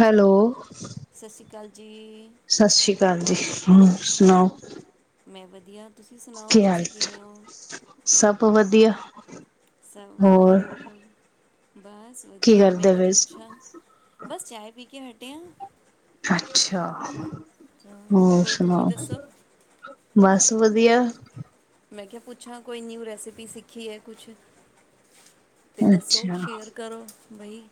Hello ਸਤਿ ਸ਼੍ਰੀ ਅਕਾਲ ਜੀ ਸਤਿ ਸ੍ਰੀ ਅਕਾਲ ਜੀ ਸੁਣਾਓ ਮੈਂ ਵਧੀਆ ਤੁਸੀਂ ਸੁਣਾਓ ਕੀ ਹਾਲ ਤੁਸੀਂ ਕਿਵੇਂ ਹੋ ਸਭ ਵਧੀਆ ਸਭ ਵਧੀਆ ਹੋਰ ਹੋਰ ਬਸ ਕੀ ਵਧੀਆ ਮੈਂ ਕਰਦੇ ਕਿਹਾ ਪਏ ਸੀ ਪੁੱਛਾਂ ਬਸ ਚਾਏ ਪੀ ਕੇ ਹਟੇ ਹਾਂ ਅੱਛਾ ਤਾਂ ਹੋਰ ਤੁਸੀਂ ਸੁਣਾਓ ਦੱਸੋ ਬਸ ਵਧੀਆ ਮੈਂ ਕਿਹਾ ਪੁੱਛਾਂ ਕੋਈ ਨਿਊ ਰੈਸਿਪੀ ਸਿੱਖੀ ਹੈ ਕੁਛ ਤੇ ਦੱਸੋ ਅੱਛਾ ਸ਼ੇਅਰ ਕਰੋ ਬਈ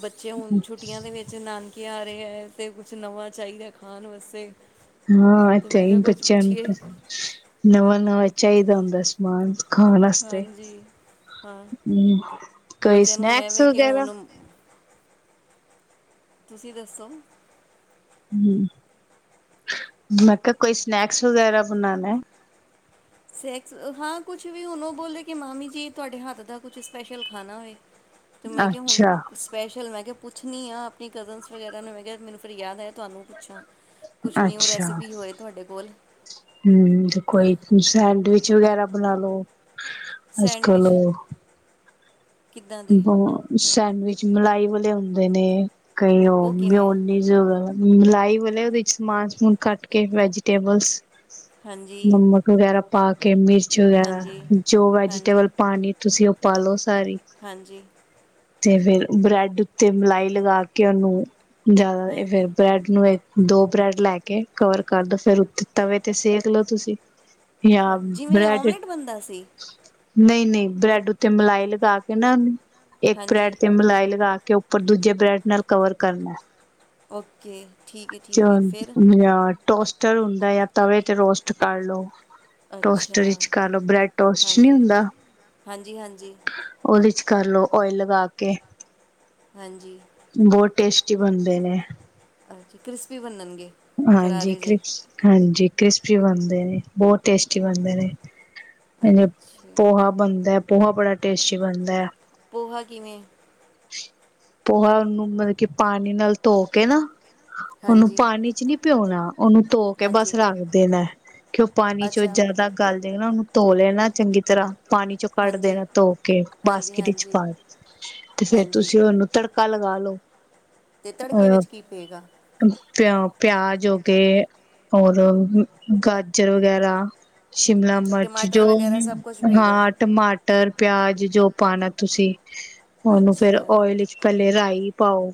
ਬੱਚੇ ਹੁਣ ਛੁੱਟੀਆਂ ਦੇ ਵਿੱਚ ਨਾਨਕੇ ਹੈ ਤੇ ਕੁਛ ਨਵਾਂ ਚਾਹੀਦਾ ਖਾਣ ਵਾਸਤੇ ਹਾਂ ਤੇ ਮੈਂ ਕਿਹਾ ਚਾਹੀਦਾ ਕੁਛ ਬੱਚਿਆ ਨੂੰ ਪੁੱਛੀਏ ਤਾਂ ਨਵ ਨਵਾਂ ਚਾਹੀਦਾ ਹੁੰਦਾ ਸਮਾਨ ਖਾਣ ਵਾਸਤੇ ਹਾਂਜੀ ਹਾਂ ਹਮ ਕੋਈ ਬੱਚਿਆਂ ਨੂੰ ਹੁਣ ਸਨੈਕਸ ਐਵੇਂ ਕਿ ਵਗੈਰਾ ਹੁਣ ਤੁਸੀਂ ਦੱਸੋ ਹ ਮੈਂ ਕਿਹਾ ਕੋਈ ਸਨੈਕਸ ਵਗੈਰਾ ਬਣਾਉਣਾ ਸਨੈਕਸ ਹਾਂ ਕੁਛ ਵੀ ਹੁਣ ਉਹ ਬੋਲਦੇ ਕਿ ਮਾਮੀ ਜੀ ਤੁਹਾਡੇ ਹੱਥ ਦਾ ਕੁਛ ਸਪੈਸ਼ਲ ਖਾਣਾ ਹੋਵੇ ਅਤੇ ਮੈਂ ਕਿਹਾ ਹੁਣ ਅੱਛਾ ਸਪੈਸ਼ਲ ਮੈਂ ਕਿਹਾ ਪੁੱਛਣੀ ਆ ਆਪਣੀ ਕਜ਼ਨਸ ਵਗੈਰਾ ਨੂੰ ਮੈਂ ਕਿਹਾ ਮੈਨੂੰ ਫਿਰ ਯਾਦ ਆਇਆ ਤੁਹਾਨੂੰ ਪੁੱਛਾਂ ਕੁਛ ਨਿਊ ਅੱਛਾ ਰੈਸਿਪੀ ਹੋਏ ਤੁਹਾਡੇ ਕੋਲ ਹਮ ਤੇ ਤਾਂ ਕੋਈ ਦੂਸਰਾ ਸੈਂਡਵਿਚ ਵਗੈਰਾ ਬਣਾ ਲੋ ਅੱਜ ਕੱਲ ਸੈਂਡਵਿਚ ਕਿੱਦਾਂ ਦੇ ਬਸ ਸੈਂਡਵਿਚ ਮਲਾਈ ਵਾਲੇ ਹੁੰਦੇ ਹੁੰਦੇ ਨੇ ਕਈ ਹੋ ਉਹ ਕਿਵੇਂ ਮੀਓਨਿਸ ਲਾਈਵ ਉਹਦੇ ਚ ਸਮਾਨ ਸਮੂਨ ਕੱਟ ਕੇ ਵੈਜੀਟੇਬਲਸ ਹਾਂਜੀ ਨਮਕ ਵਗੈਰਾ ਪਾ ਕਿਵੇ ਵਗੈਰਾ ਹਾਂਜੀ ਜੋ ਹਾਂਜੀ ਵੈਜੀਟੇਬਲ ਪਾਉਣੀ ਤੁਸੀਂ ਉਹ ਪਾ ਲਓ ਸਾਰੀ। ਹਾਂਜੀ ਤੇ ਫਿਰ ਬ੍ਰੈਡ ਉੱਤੇ ਮਲਾਈ ਲਗਾ ਕੇ ਉਹਨੂੰ। ਜ਼ਿਆਦਾ ਇਹ ਫੇਰ ਹਾਂਜੀ ਬ੍ਰੈਡ ਨੂੰ। ਦੋ ਬ੍ਰੈਡ ਲੈ ਕੇ ਕਵਰ ਕਰਦੋ ਫਿਰ ਉਤੇ ਤਵੇ ਤੇ ਸੇਕ ਲੋ ਤੁਸੀਂ। ਅ, ਜਾਂ ਜਿਵੇਂ ਬ੍ਰੈਡ। ਆਮਲੇਟ ਬੰਦਾ ਸੀ ਨਹੀਂ- ਨਹੀਂ ਬਰੈਡ ਉੱਤੇ ਮਲਾਈ ਲਗਾ ਕੇ। [unintelligible] ਇੱਕ ਹਾਂਜੀ ਬਰੈਡ ਤੇ ਮਲਾਈ ਲਗਾ ਕੇ। ਪਰ ਦੂਜੇ ਬ੍ਰੈਡ ਨਾਲ ਕਵਰ ਕਰਨਾ। ਓਕੇ ਠੀਕ ਹੈ, ਠੀਕ ਹੈ ਫਿਰ। ਟੋਸਟਰ ਹੁੰਦਾ ਆ ਤਵੇ ਤੇ ਰੋਸਟ ਕਰ ਲੋ। ਅੱਛਾ ਟੋਸਟਰ ਵਿੱਚ ਕਰ ਲੋ ਬ੍ਰੈਡ ਟੋਸਟ ਨਹੀਂ ਹਾਂਜੀ- ਹੁੰਦਾ ਹਾਂਜੀ, ਹਾਂਜੀ। ਉਹਦੇ ਚ ਕਰਲੋ ਓਇਲ ਲਗਾ ਕੇ। ਹਾਂਜੀ। ਬਹੁਤ ਟੇਸਟੀ ਬਣਦੇ ਨੇ। ਹਾਂਜੀ ਕ੍ਰਿਸਪੀ ਬਣਣਗੇ। ਹਾਂਜੀ ਕ੍ਰਿਸ- ਹਾਂਜੀ ਕ੍ਰਿਸ। ਬਣਦੇ ਨੇ ਬਹੁਤ ਟੇਸਟੀ ਬਣਦੇ ਨੇ। ਇਹੇ ਅੱਛਾ ਪੋਹਾ ਬਣਦਾ। ਪੋਹਾ ਬੜਾ ਟੇਸਟੀ ਬਣਦਾ ਹੈ। ਪੋਹਾ ਕਿਵੇਂ। ਪੋਹਾ ਉਹਨੂੰ ਮਤਲਬ ਕਿ ਪਾਣੀ ਨਾਲ ਧੋ ਕੇ ਨਾ। ਉਹਨੂੰ ਹਾਂਜੀ ਪਾਣੀ। ਨੀ ਪਿਉਣਾ ਉਹਨੂੰ ਧੋ ਕੇ ਬਸ ਹਾਂਜੀ ਰੱਖ ਦੇਣਾ ਕਿ ਉਹ ਪਾਣੀ ਚ ਅੱਛਾ ਜਿਆਦਾ ਗਲ ਦੇ ਨਾ। ਧੋ ਲੈਣਾ ਚੰਗੀ ਤਰ੍ਹਾਂ। ਪਾਣੀ ਚੋਂ ਕੱਢ ਹਾਂਜੀ ਦੇਣਾ ਧੋ ਕੇ ਹਾਂਜੀ ਬਾਸਕਿਟ ਵਿੱਚ ਹਾਂਜੀ ਪਾ ਤੇ ਫੇਰ ਹਾਂਜੀ ਤੁਸੀਂ ਉਹਨੂੰ ਤੜਕਾ ਲਗਾ ਲਓ। ਤੇ ਤੜਕੇ ਵਿੱਚ ਕੀ ਪਏਗਾ। ਪਿਆਜ। ਪਿਆਜ ਹੋ ਗੇ, ਔਰ ਗਾਜਰ ਵਗੈਰਾ। ਸ਼ਿਮਲਾ ਅੱਛਾ ਮਿਰਚ ਟਮਾਟਰ ਜੋ ਵਗੈਰਾ ਸਭ ਕੁਝ ਪਏਗਾ ਹਾਂ ਟਮਾਟਰ, ਪਿਆਜ। ਜੋ ਪਾਉਣਾ ਤੁਸੀਂ। ਉਹਨੂੰ ਫੇਰ ਅੱਛਾ ਓਇਲ ਵਿੱਚ ਪੱਲੇ ਰਾਈ। ਪਾਓ।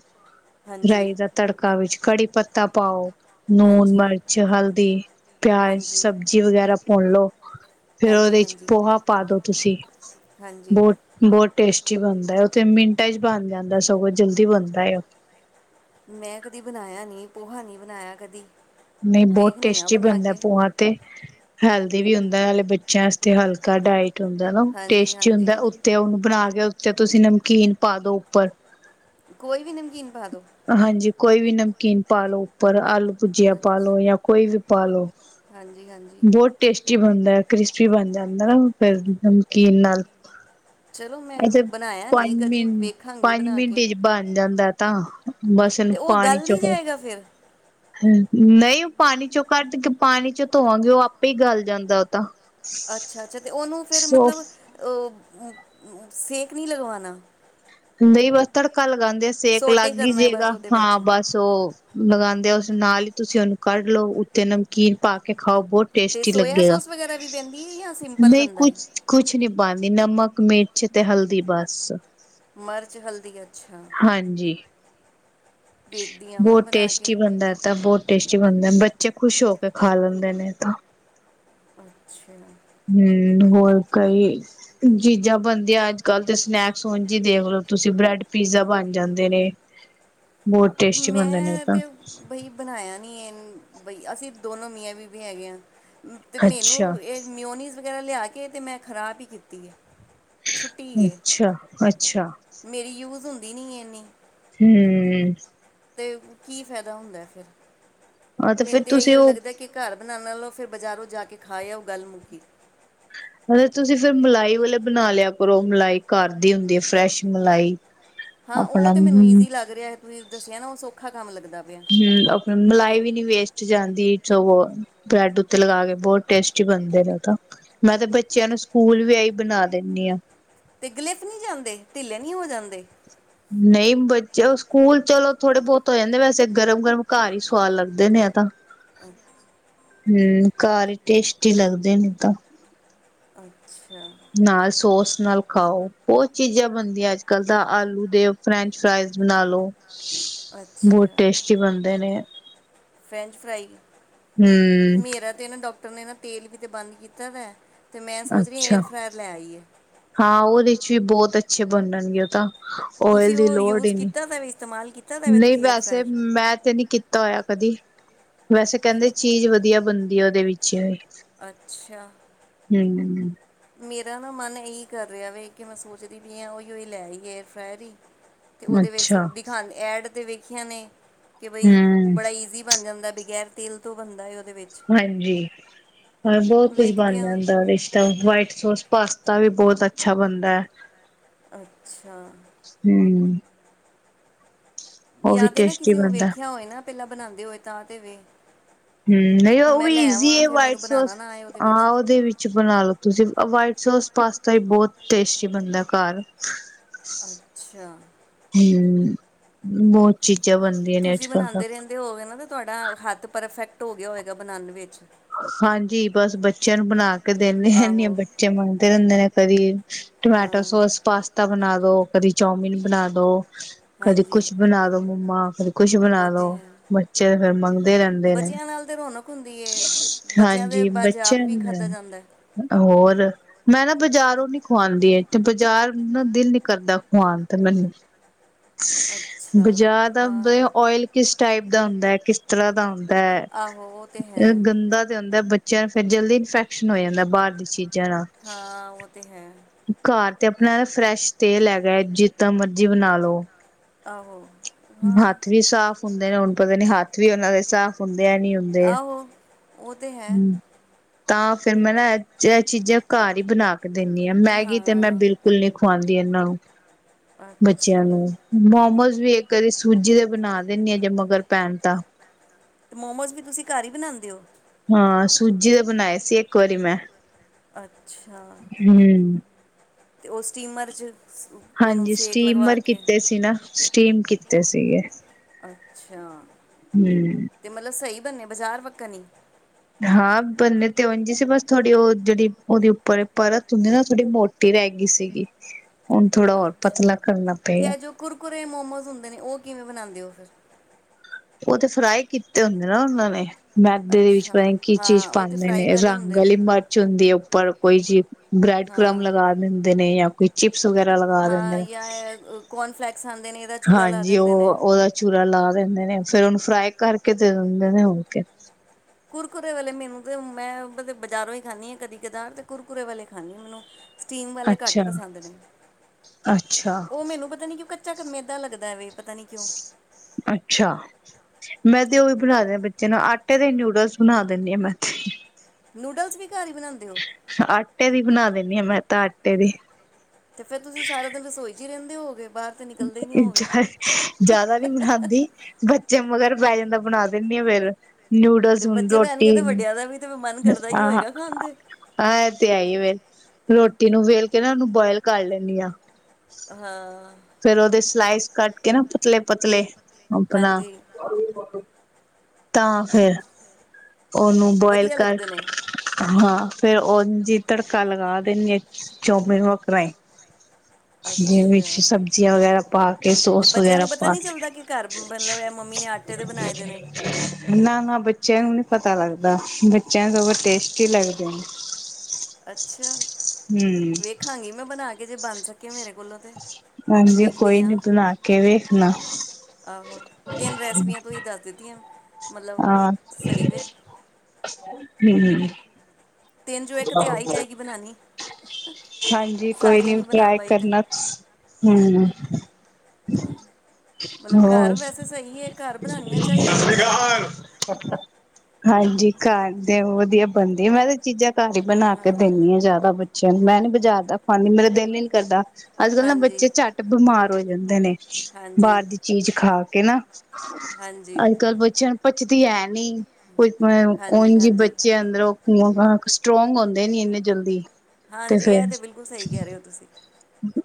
ਹਾਂਜੀ ਰਾਈ ਦਾ ਤੜਕਾ ਵਿੱਚ। ਕੜੀ ਪੱਤਾ। ਪਾਓ। ਨੂਣ, ਹਾਂਜੀ ਮਰਚ, ਹਲਦੀ, ਪਿਆਜ, ਹਾਂਜੀ ਸਬਜ਼ੀ ਵਗੈਰਾ ਭੁੰਨ ਲੋ, ਫੇਰ ਹਾਂਜੀ ਔਦੇ ਚ ਹਾਂਜੀ ਪੋਹਾ ਪਾ ਦੋ ਤੁਸੀਂ ਹਾਂਜੀ ਬਹੁਤ ਬਹੁਤ ਟੇਸਟੀ [unintelligible] ਮਿੰਟਾਂ ਚ ਬਣ ਜਾਂਦੈ ਸਗੋਂ ਜਲਦੀ ਬਣਦਾ ਏ ਔ। ਮੈਂ ਕਦੀ ਬਣਾਇਆ ਨੀ ਪੋਹਾ ਨ੍ਹੀਂ ਬਣਾਇਆ ਕਦੀ। ਨਹੀਂ ਬੌਤ ਵੇਖਨੀ ਆ ਟੇਸਟੀ ਬਣਾ ਬਣਦੈ ਕੇ ਪੋਹਾ ਤੇ। ਹੈਲਦੀ ਵੀ ਹੁੰਦੈ, ਨਾਲੇ ਬੱਚਿਆਂ ਅਸਤੇ ਹਲਕਾ ਡਾਇਟ ਹੂੰਦੈ ਨਾ, ਹਾਂਜੀ ਟੇਸਟੀ ਹੁੰਦੈ ਹਾਂਜੀ ਉੱਤੇ ਔਨੂੰ ਬਣਾ ਕੇ ਔ ਜਾਂ ਤੁਸੀਂ ਨਮਕੀਨ ਪਾ ਦੋ ਉੱਪਰ। ਕੋਈ ਵੀ ਨਮਕੀਨ ਪਾ ਦੋ। ਹਾਂਜੀ ਕੋਈ ਵੀ ਨਮਕੀਨ ਪਾ ਲੋ ਉੱਪਰ ਆਲੂ ਭੁਜੀਆ ਪਾ ਅੱਛਾ ਲਓ ਜਾਂ ਕੋਈ ਵੀ ਪਾਲੋ। ਹਾਂਜੀ ਹਾਂਜੀ ਬੌਤ ਟੇਸਟੀ ਬਣਦੈ। ਕ੍ਰਿਸਪੀ ਬਣ ਜਾਂਦੈ ਨਾ ਫੇਰ ਨਮਕੀਨ ਨਾਲ। ਚਲੋ ਮੈਂ ਅਜੇ ਬਣਾਇਆ ਨਹੀਂ ਪੰਜ ਕਦੀ ਮਿੰਟ ਵੇਖਾਂਗੀ ਪੰਜ ਬਣਾ ਮਿੰਟ ਕੇ ਚ ਬਣ ਜਾਂਦਾ ਐ ਤਾਂ। ਬਸ ਐਨੂੰ ਅਤੇ ਉਹ ਪਾਣੀ ਗਲ ਨਹੀਂ ਚੋ--ਹੂੰ। ਜਾਏਗਾ ਫਿਰ ਨਹੀਂ ਔ ਪਾਣੀ ਚੋਂ ਕੱਢ ਕੇ ਪਾਣੀ ਚੋਂ ਧੋਵਾਂਗੇ ਔ ਆਪੇ ਈ ਗੱਲ ਜਾਂਦੈ ਔ ਤਾਂ। ਅੱਛਾ ਅੱਛਾ ਤੇ ਔਨੂੰ ਫੇਰ ਸੋਫ ਮਤਲਬ ਅ ਸੇਕ ਨ੍ਹੀਂ ਲਗਵਾਣਾ। ਨਈ ਬਸ ਤੜਕਾ ਲੱਗ ਗਾਂਦੇਆ ਸੇਕ ਲੱਗ ਸੋਟੇ ਈ ਕਰਨਾ ਹੈ ਜੇਗਾ, ਬਸ ਉਹਦੇ ਹਾਂ ਵਿੱਚ ਬਸ ਔ ਲਗਾਂਦੇ ਆ ਨਾਲ ਈ ਤੁਸੀਂ ਔਨੂੰ ਕੱਢ ਲੋ ਉੱਤੇ ਨਮਕੀਨ ਪਾ ਕੇ ਖ ਖਾਓ, ਬੌਤ ਅਤੇ ਟੇਸਟੀ ਸੋਇਆ ਲੱਗੇਗਾ। ਸੋਸ ਵਗੈਰਾ ਵੀ ਪੈਂਦੀ ਹੈ ਜਾਂ ਸਿੰਪਲ ਨਈ ਬਣਦਾ ਹੈ ਕੁਛ ਕੁਛ ਨੀ ਪਾਂਦੀ ਨਮਕ ਮਿਰਚ ਤੇ ਹਲਦੀ ਬਸ। ਮਰਚ, ਹਲਦੀ ਅੱਛਾ। ਹਾਂਜੀ ਵੇਖਦੀ ਹਾਂ ਮੈਂ ਬਹੁਤ ਬਣਾ ਕੇ ਟੇਸਟੀ ਬਣਦਾ ਤੇ ਬਹੁਤ ਟੇਸਟ ਟੀ ਬਣਦਾ ਬੱਚੇ ਖੁਸ਼ ਹੋ ਕੇ ਖਾ ਲੈਂਦੇ ਨੇ ਏ ਤਾਂ ਅੱਛਾ। ਹੋਰ ਕਈ ਚੀਜ਼ਾਂ ਬਣਦੀਆਂ ਅੱਜ ਕੱਲ ਤੇ ਸਨੈਕਸ ਉਂਝ ਈ ਦੇਖਲੋ ਤੁਸੀਂ ਬ੍ਰੈਡ ਪੀਜ਼ਾ ਬਣ ਜਾਂਦੇ ਨੇ ਬਹੁਤ ਟੇਸਟੀ ਬਣਦੇ ਨੇ ਇਹ ਮੈਂ ਤਾਂ ਤੇ ਬਈ ਬਣਾਇਆ ਨਹੀਂ ਬਈ ਅਸੀਂ ਦੋਨੋ ਮੀਆਂ ਬੀਬੀ ਹੈਗੇ ਆਂ ਤੇ ਮੈਨੂੰ ਅੱਛਾ ਇਹ ਮਯੋਨੀਜ਼ ਵਗੈਰਾ ਲਿਆ ਕੇ ਤੇ ਮੈਂ ਖਰਾਬ ਈ ਕੀਤੀ ਏ। ਅੱਛਾ ਅੱਛਾ। ਮੇਰੀ ਯੂਜ਼ ਹੁੰਦੀ ਨੀ ਏਨੀ ਹਮ ਅਤੇ ਕੀ ਫਾਇਦਾ ਹੁੰਦਾ ਹੈ ਫਿਰ ਆਹ ਫਿਰ ਮੈਨੂੰ ਤੇ ਤੁਸੀਂ ਇਹੀਓ ਉਹ ਲੱਗਦਾ ਕਿ ਘਰ ਬਣਾਉਣ ਨਾਲੋ ਫਿਰ ਬਾਜ਼ਾਰੋਂ ਜਾ ਕੇ ਖਾਇਓ ਗੱਲ ਮੁਕੀ ਹ ਤੁਸੀਂ ਫਿਰ ਮਲਾਈ ਵਾਲੇ ਬਣਾ ਲਿਆ ਕਰੋ ਮਲਾਈ ਘਰ ਦੀ ਹੁੰਦੀ ਹੈ ਫਰੈਸ਼ ਮਲਾਈ ਹਾਂ ਉਹ ਆਪਣਾ ਤੇ ਮੈਨੂੰ ਈਜ਼ੀ ਲੱਗ ਰਿਹਾ ਤੁਸੀਂ ਦੱਸਿਆ ਨਾ ਉਹ ਾ ਕੰਮੱ [unintelligible] ਹਮ ਆਪਣੀ ਮਲਾਈ ਵੀ ਨੀ ਵੇਸਟ ਜਾਂਦੀ ਸ ਬ੍ਰੈਡ ਉੱਤੇ ਲਗਾ ਕੇ ਬਹੁਤ ਟੇਸਟੀ ਬਣਦੇ ਨੇ ਉਹ ਤਾਂ ਮੈਂ ਤੇ ਬੱਚਿਆਂ ਨੂੰ ਸਕੂਲ ਵੀ ਆਹੀ ਬਣਾ ਦਿੰਦੀ ਹਾਂ ਤੇ ਗਲਿਫ ਨਹੀਂ ਜਾਂਦੇ ਧੀਲੇ ਨੀ ਹੋ ਜਾਂਦੇ ਨਹੀਂ ਬੱਚੇ ਉਹ ਸਕੂਲ ਚਲੋ ਥੋੜੇ ਬਹੁਤ ਹੋ ਜਾਂਦੇ ਵੈਸੇ ਗਰਮ ਗਰਮ ਘਰ ਹੀ ਸਵਾਦ ਲੱਗਦੇ ਨੇ ਆ ਤਾਂ ਅਹ ਹਮ ਘਰ ਹੀ ਟੇਸਟੀ ਲੱਗਦੇ ਨੇ ਤਾਂ ਅੱਛਾ ਨਾਲ ਸੋਸ ਨਾਲ ਖਾਓ ਬਹੁਤ ਚੀਜ਼ਾਂ ਬਣਦੀਆਂ ਅੱਜ ਕੱਲ ਤਾਂ ਆਲੂ ਦੇ ਫਰੈਂਚ ਫਰਾਈਜ਼ ਬਣਾ ਲੋ ਅੱਛਾ ਬਹੁਤ ਟੇਸਟੀ ਬਣਦੇ ਨੇ ਫਰੈਂਚ ਫਰਾਈ ਹੂੰ ਮੇਰਾ ਤੇ ਨਾ ਡਾਕਟਰ ਨੇ ਨਾ ਤੇਲ ਵੀ ਤੇ ਬੰਦ ਕੀਤਾ ਵਾ ਅੱਛਾ ਹਾਂ ਉਹਦੇ ਚ ਵੀ ਬਹੁਤ ਅੱਛੇ ਬਣਦਾ [unintelligible] ਣ ਗਿਆ ਤਾਂ ਓਇਲ ਤੁਸੀਂ ਦੀ ਉਹ ਲੋੜ ਹੀ ਯੂਜ਼ ਨਹੀਂ ਕੀਤਾ ਤਾਂ ਵੇ ਇਸਤੇਮਾਲ ਕੀਤਾ ਤਾਂ ਵੇ ਨਹੀਂ ਤੁਸੀਂ ਵੈਸੇ ਫਰਾਇਰ ਮੈਂ ਤੇ ਨਹੀਂ ਕੀਤਾ ਹੋਇਆ ਕਦੀ ਵੈਸੇ ਨਹੀਂ ਕਹਿੰਦੇ ਕੀਤਾ ਚੀਜ਼ ਵਧੀਆ ਬਣਦੀ ਆ ਉਹਦੇ ਵਿੱਚ ਹ ਅੱਛਾ ਮੇਰਾ ਨਾ ਮਨ ਇਹੀ ਕਰ ਰਿਹਾ ਕਿ ਮੈਂ ਸੋਚਦੀ ਹੀ ਹਾਂ ਵੀ ਉਹੀ ਲੈ ਆਈਏ ਏਅਰ ਫਰਾਇਰ ਹੀ ਤੇ ਉਹਦੇ ਵਿੱਚ ਅੱਛਾ ਦਿਖਾ ਐਡ ਤੇ ਵੇਖੀਆਂ ਨੇ ਕਿ ਬਈ ਹਮ ਬੜਾ ਈਜ਼ੀ ਬਣ ਜਾਂਦਾ [unintelligible] [unintelligible] ਤੋਂ ਬੰਦਾ ਹੈ ਉਹਦੇ ਵਿੱਚ ਹਾਂਜੀ ਹੋਰ ਬਹੁਤ ਕੁਝ ਵੇਖਦੇ ਬਣ ਹਾਂ ਜਾਂਦਾ ਪਿਸਤਾ ਵਾਈਟ ਸੋਸ ਪਾਸਤਾ ਤਾ ਵੀ ਬਹੁਤ ਅੱਛਾ ਬਣਦਾ ਹੈ ਅੱਛਾ ਹਮ ਉਹ ਵੀ ਜਾਂ ਤੇ ਨਾ ਟੇਸਟੀ ਕਿਸੇ ਨੂੰ ਬਣਦਾ ਵੇਖਿਆ ਹੋਏ ਨਾ ਪਹਿਲਾਂ ਬਣਾਉਂਦੇ ਹੋਏ ਤਾਂ ਤੇ ਵੇ ਹਮ ਨਹੀਂ ਉਹ ਮੈਂ ਵੀ ਲੈ ਆਵਾਂ ਈਜ਼ੀ ਫਿਰ ਵਾਈਟ ਮੈਨੂੰ ਬਣਾਉਣਾ ਸੋਸ ਨਾ ਆਏ ਉਹਦੇ ਵਿੱਚ ਆ ਉਹਦੇ ਵਿੱਚ ਬਣਾ ਲੋ ਤੁਸੀਂ ਵੀ ਸੋਸ ਪਾਸਤਾ ਹੀ ਬਹੁਤ ਟੇਸਟੀ ਬਣਦਾ ਘਰ ਅੱਛਾ ਹਮ ਬਹੁਤ ਚੀਜ਼ਾਂ ਬਣਦੀਆਂ ਨੇ ਅੱਜ ਤੁਸੀਂ ਕੱਲ ਤਾਂ ਬਣਾਉਦੇ ਰਹਿੰਦੇ ਹੋ ਗੇ ਨਾ ਤੁਹਾਡਾ ਹੱਥ ਪਰਫੈਕਟ ਟ ਹੋ ਗਿਆ ਹੋਏਗਾ ਬਣਾਉਣ ਵਿੱਚ ਹਾਂਜੀ ਬਸ ਬੱਚਿਆਂ ਨੂੰ ਬਣਾ ਕੇ ਦਿੰਦੇ ਰਹਿੰਦੀ ਆਹੋ ਬੱਚੇ ਮੰਗਦੇ ਰਹਿੰਦੇ ਨੇ ਕਦੀ ਟਮੈਟੋ ਹਾਂ ਸੋਸ ਪਾਸਤਾ ਬਣਾ ਦੋ ਕਦੀ ਚੌਮਿਨ ਬਣਾ ਦੋ ਕਦੇ ਹਾਂਜੀ ਕੁਛ ਬਣਾ ਦੋ ਮੰਮਾ ਕਦੇ ਕੁਛ ਬਣਾ ਉਹ ਤੇ ਦੋ ਹੈ ਬੱਚੇ ਤੇ ਫੇਰ ਮੰਗਦੇ ਰਹਿੰਦੇ ਨੇ ਬੱਚਿਆਂ ਨਾਲ ਤੇ ਰੌਣਕ ਹੁੰਦੀ ਏ ਬੱਚਿਆਂ ਦੇ ਹਾਂਜੀ ਬਾਜ ਆਪ ਬੱਚਿਆਂ ਵੀ ਖਾਧਾ ਜਾਂਦਾ ਹੈ। ਨੂੰ ਹੋਰ ਮੈਂ ਨਾ ਬਾਜ਼ਾਰੋਂ ਨੀ ਖਵਾਂਦੀ ਹੈ ਤੇ ਬਾਜ਼ਾਰ ਨਾ ਦਿਲ ਨੀ ਕਰਦਾ ਖਵਾਉਣ ਤੇ ਮੈਨੂੰ ਅੱਛਾ ਬਾਜਾਰ ਦਾ ਹੁੰਦਾ ਹਾਂ ਓਇਲ ਕਿਸ ਟਾਈਪ ਦਾ ਹੁੰਦਾ ਕਿਸ [unintelligible] ਆਹੋ ਉਹ ਤੇ ਹੈ ਗੰਦਾ ਤੇ ਹੁੰਦਾ ਬੱਚਿਆਂ ਫਿਰ ਜਲਦੀ ਇਨਫੈਕਸ਼ਨ ਹੋ ਜਾਂਦਾ ਬਾਹਰ ਚੀਜ਼ਾਂ ਨਾਲ ਹਾਂ ਉਹ ਤੇ ਹੈ ਘਰ ਤੇ ਆਪਣਾ ਫਰੈਸ਼ ਤੇਲ ਹੈਗਾ ਜਿੱਦਾਂ ਮਰਜੀ ਬਣਾ ਲੋ ਆਹੋ ਹਾਂ ਹੱਥ ਵੀ ਸਾਫ਼ ਹੁੰਦੇ ਨੇ ਹੁਣ ਪਤਾ ਨੀ ਹੱਥ ਵੀ ਉਹਨਾਂ ਦੇ ਸਾਫ਼ ਹੁੰਦੇ ਦੇ ਨੀ ਹੁੰਦੇ ਆਹੋ ਉਹ ਤਾਂ ਹੈ ਹੂੰ ਤਾਂ ਫਿਰ ਮੈਂ ਨਾ ਇਹ ਚੀਜ਼ਾਂ ਘਰ ਹੀ ਬਣਾ ਕੇ ਦਿੰਦੀ ਹਾਂ ਮੈਗੀ ਤੇ ਮੈਂ ਹਾਂ ਬਿਲਕੁਲ ਨੀ ਖਵਾਉਂਦੀ ਇਹਨਾਂ ਨੂੰ ਬਣਾਉਂਦੀ ਬੱਚਿਆਂ ਅੱਛਾ ਨੂੰ ਮੋਮੋਸ ਵੀ ਇੱਕ ਕਦੀ ਸੂਜੀ ਦੇ ਬਣਾ ਦਿੰਦੀ ਹਾਂ ਜੇ ਮਗਰ ਪੈਣ ਤਾਂ ਤੇ ਮੋਮੋਜ਼ ਵੀ ਤੁਸੀਂ ਘਰ ਹੀ ਬਣਾਉਦੇ ਹਾਂ ਸੂਜੀ ਦੇ ਬਣਾਏ ਸੀ ਇੱਕ ਵਾਰੀ ਮੈਂ ਅੱਛਾ ਹਮ ਅਤੇ ਉਹ ਸਟੀਮਰ 'ਚ ਉਹਨੂੰ ਹਾਂਜੀ ਸੇਕ ਲਗਵਾ ਸਟੀਮਰ ਕੇ ਕੀਤੇ ਸੀ ਨਾ ਸਟੀਮ ਕੀਤੇ ਸੀਗੇ ਅੱਛਾ ਤੇ ਮਤਲਬ ਸਹੀ ਹਮ ਬਾਜ਼ਾਰ ਵਰਗਾ ਨਹੀਂ ਹਾਂ ਬੰਨੇ ਤੇ ਉੰਝ ਸੀ ਬਸ ਥੋੜੀ ਉਹ ਜਿਹੜੀ ਉਹਦੀ ਉੱਪਰ ਪਰਤ ਹੁੰਦੀ ਨਾ ਥੋੜੀ ਮੋਟੀ ਰਹਿ ਗਈ ਸੀਗੀ ਹੁਣ ਥੋੜਾ ਹੋਰ ਅੱਛਾ ਪਤਾ ਲੱਗ ਤੇ ਇਹ ਜੋ ਕੁਰਕੁਰੇ ਮੋਮੋਸ ਹੁੰਦੇ ਨੇ, ਉਹ ਕਿਵੇਂ ਬਣਾਉਂਦੇ ਹੋ ਫਿਰ। ਉਹ ਤੇ ਫਰਾਈ ਕੀਤੇ ਹੁੰਦੇ ਨਾ ਉਹਨਾਂ ਨੇ। ਮੈਦੇ ਦੇ ਵਿੱਚ ਅੱਛਾ ਪਤਾ ਕੀ ਚੀਜ਼ ਹਾਂ ਉਹ ਤੇ ਪਾਉਂਦੇ ਨੇ ਫਰਾਈ ਵਾਲੇ ਰੰਗ ਹੁੰਦੇ ਵਾਲੀ ਨੇ ਮਿਰਚ ਹੁੰਦੀ ਹੈ। ਉੱਪਰ ਕੋਈ ਜੀ ਬ੍ਰੈਡ ਕ੍ਰਮ ਹਾਂ ਲਗਾ ਦਿੰਦੇ ਨੇ ਜਾਂ ਕੋਈ ਚਿਪਸ ਵਗੈਰਾ ਲਗਾ ਦਿੰਦੇ ਹਾਂ ਨੇ। ਜਾਂ ਇਹ ਕੌਰਨਫਲੈਕਸ ਆਉਂਦੇ ਨੇ ਇਹਦਾ ਚੂੜਾ ਲਾ ਹਾਂਜੀ ਉਹ ਦਿੰਦੇ ਨੇ ਉਹਦਾ ਚੂਰਾ ਲਾ ਦਿੰਦੇ ਨੇ ਫੇਿਰ ਉਹਨੂੰ। ਫਰਾਈ ਕਰਕੇ ਦੇ ਦਿੰਦੇ ਨੇ ਹੋਰ ਕਿਆ। ਕੁਰਕੁਰੇ ਵਾਲੇ ਮੈਨੂੰ ਤੇ ਮੈਂ ਬਾਜ਼ਾਰੋਂ ਹੀ ਖਾਂਦੀ ਆ ਕਦੀ ਕਦਾਰ ਤੇ ਕੁਰਕੁੁਰੇ ਵਾਲੇ ਖਾਂਦੀ ਮੈਨੂੰ। ਸਟੀਮ ਵਾਲੇ ਘੱਟ ਅੱਛਾ ਪਸੰਦ ਨੇ। ਅੱਛਾ ਉਹ ਮੈਨੂੰ ਪਤਾ ਨੀ ਕਿ ਕੱਚਾ ਮੈਦਾ ਲੱਗਦਾ ਪਤਾ ਨੀ ਕਿਉਂ। ਅੱਛਾ ਜਿਨੂੰ ਆਟੇ ਦੇ ਨੂਡਲਸ ਬਣਾ ਦਿੰਦੀ ਆ ਮੈ ਤੇ ਨੂਡਲਸ ਵੀ ਘਰ ਹੀ ਬਣਾਉਂਦੇ ਹੋ। ਆਟੇ ਦੀ ਬਣਾ ਦੇਂਦੀ ਆ। ਮੈਂ ਤਾਂ ਆਟੇ ਦੀ ਤੇ ਫੇਰ ਤੁਸੀਂ ਸਾਰਾ ਦਿਨ ਰਸੋਈ। ਜੀ ਰਹਿੰਦੇ ਹੋ ਗਏ। ਜਿਆਦਾ ਨੀ ਬਣਾਉਂਦੀ ਬੱਚੇ ਮਗਰ। ਪੈ ਜਾਂਦਾ ਬਣਾ ਦਿੰਦੀ ਆ ਫੇਰ। ਤੇ ਨੂਡਲਸ ਹੁਣ ਬੱਚੇ ਰੋਟੀ ਬਹਿਣਗੇ ਤੇ ਵੱਡਿਆਂ ਦਾ ਵੀ ਤੇ ਮਨ ਕਰਦਾ ਹੀ ਆ ਹੋਏਗਾ ਖਾਣ ਦੇ ਆਹ ਇਹ ਤੇ ਆਈ ਵ ਰੋ। ਰੋਟੀ ਨੂੰ ਵੇਲ ਕੇ ਨਾ ਉਹਨੂੰ ਬੋਇਲ ਕਰ ਲੈਂਦੀ ਆਾਂ। ਹਾਂ। ਫੇਰ ਉਹਦੇ ਸਲਾਈਸ ਕੱਟ ਕੇ ਨਾ ਪਤਲੇ ਪਤਲੇ ਅਪਨਾ। ਹਾਂਜੀ ਤਾਂ ਅ- ਫਿਰ। ਉਹਨੂੰ ਬੋਆਇਲ ਵਧੀਆ ਕਰ ਲੱਗਦੇ ਨੇ ਹਾਂ। ਫਿਰ ਉਂਜ ਹੀ ਤੜਕਾ ਲਗਾ ਦਿੰਦੀ ਹ [unintelligible] ਜਿਵੇ ਵਿੱਚ ਅੱਛਾ ਸਬਜ਼ੀਆਂ ਵਗੈਰਾ ਪਾ ਕੇ ਤੇ ਸੋਸ ਬੱਚਿਆਂ ਵਗੈਰਾ ਨੂੰ ਪਤਾ ਪਾ ਨਹੀਂ ਕੇ। ਚੱਲਦਾ ਕਿ ਘਰ ਮਤਲਬ ਇਹ ਮੰਮੀ ਨੇ ਆਟੇ ਦੇ ਬਣਾਏ ਦੇ ਨੇ ਨਾ- ਨਾ ਬੱਚਿਆਂ ਨੂੰ ਨੀ ਪਤਾ ਲੱਗਦਾ ਬੱਚਿਆਂ ਨੂੰ ਬਹੁਤ ਟੇਸਟੀ ਲੱਗਦੇ ਨੇ। ਅੱਛਾ ਹੂੰ ਵੇਖਾਂਗੀ ਮੈਂ ਬਣਾ ਕੇ। ਜੇ ਬਣ ਸਕੇਏ ਮੇਰੇ। ਕੋਲੋਂ ਤੇ ਹਾਂਜੀ ਵੇਖਦੀ ਕੋਈ ਹਾਂ ਨੀ ਬਣਾ ਕੇ ਵੇਖਣਾ। ਆਹੋ ਤਿੰਨ ਰੈਸਪੀਆਂ ਤੁਸੀਂ ਦੱਸ ਦਿੱਤੀਆਂ। ਮਤਲਬ ਹਾਂ। ਸਹੀ ਵੇ ਹਮ-ਹਮ। ਤਿੰਨ ਜੋ ਇੱਕ ਤੇ ਆ ਹੀ ਜਾਏਗੀ ਬਣਾਉਣੀ ਹਾਂਜੀ ਕੋਈ ਸਾਰੀਆਂ ਨੀ ਨਹੀਂ ਬਣਾ ਟਰਾਈ ਪਾਈ ਤੇ ਕਰਨਾ ਹਮ ਤਾਂ ਮਤਲਬ ਹੋਰ। ਘਰ ਵੈਸੇ ਸਹੀ ਹੈ ਘਰ ਬਣਾਉਣੀਆਂ ਸਤਿ ਚਾਹੀਦੀਆਂ ਸ੍ਰੀ ਅਕਾਲ ਹਾਂਜੀ ਖਾਂਦੇ ਵਧੀਆ ਬਣਦੀ ਮੈਂ ਤਾਂ ਚੀਜ਼ਾਂ। ਘਰ ਹੀ ਬਣਾ ਕੇ ਦਿੰਨੀ ਹਾਂ ਜਿਆਦਾ ਬੱਚੇ। ਮੈਂ ਨੀ ਬਾਜ਼ਾਰ ਦਾ ਪਾਂਦੀ ਮੇਰਾ ਦਿਲ ਨੀ ਕਰਦਾ। ਅੱਜ ਕੱਲ ਨਾ ਹਾਂਜੀ ਬੱਚੇ ਝੱਟ ਬਿਮਾਰ ਹੋ ਜਾਂਦੇ ਨੇ, ਹਾਂਜੀ ਬਾਹਰ ਦੀ ਚੀਜ਼ ਖਾ ਕੇ ਨਾ ਹਾਂਜੀ ਅੱਜ ਕੱਲ ਬੱਚਿਆਂ ਨੂੰ, ਪੱਚਦੀ ਹੈ। ਨਹੀ ਕੁਝ ਉਂਜ ਹਾਂਜੀ ਬੱਚੇ ਅੰਦਰੋਂ ਸਟਰੋਂਗ ਹੁੰਦੇ ਨੀ ਇੰਨੇ ਜਲਦੀ ਹਾਂਜੀ ਤੇ ਹਾਂਜੀ ਫਿਰ, ਇਹ ਬਿਲਕੁਲ ਸਹੀ ਕਹਿ ਰਹੇ ਹੋ ਤੁਸੀਂ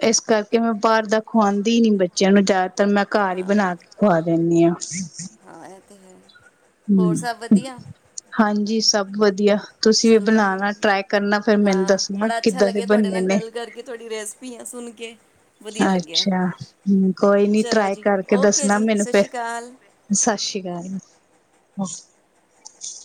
ਇਸ ਕਰਕੇ ਮੈਂ ਬਾਹਰ ਦਾ ਖਵਾਂਉਦੀ ਹੀ ਨੀ ਬੱਚਿਆਂ ਨੂੰ ਜਿਆਦਾ ਤੇ ਮੈਂ ਘਰ ਹੀ ਹਾਂ ਬਣਾ ਕੇ ਖਵਾ ਦਿੰਦੀ ਹਾਂ। [unintelligible] ਹਾਂ। ਹੁ ਹਮ, ਹਾਂਜੀ ਜੀ ਸਭ ਵਧੀਆ। ਤੁਸੀਂ ਵੀ ਚਲੋ ਜੀ ਬਣਾਣਾ ਟਰਾਈ ਕਰਨਾ ਫੇਰ ਮੈਨੂੰ ਹਾਂ ਦੱਸਣਾ ਬੜਾ ਅੱਛਾ ਕਿੱਦਾਂ ਦੇ ਲੱਗਿਆ ਤੁਹਾਡੇ ਬੰਨੇ ਨਾਲ ਨੇ। ਗੱਲ ਕਰਕੇ ਤੁਹਾਡੀ ਰੈਸਪੀਆਂ ਸੁਣ ਕੇ, ਵਧੀਆ ਲੱਗਿਆ ਅੱਛਾ ਹੁ ਕੋਈ ਨੀ ਚਲੋ ਟਰਾਈ ਜੀ ਕਰਕੇ ਓਕੇ ਦੱਸਣਾ ਜੀ ਮੈਨੂੰ ਸਤਿ ਫੇਰ ਸ਼੍ਰੀ ਅਕਾਲ ਸਤਿ ਸ਼੍ਰੀ ਅਕਾਲ। [unintelligible]